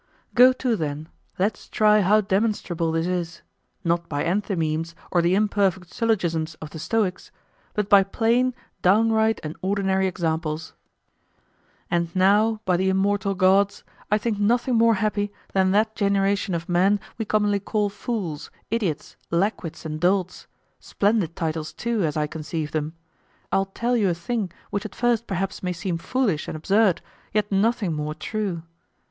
Go to then, let's try how demonstrable this is; not by enthymemes or the imperfect syllogisms of the Stoics, but by plain, downright, and ordinary examples. And now, by the immortal gods! I think nothing more happy than that generation of men we commonly call fools, idiots, lack wits, and dolts; splendid titles too, as I conceive them. I'll tell you a thing, which at first perhaps may seem foolish and absurd, yet nothing more true.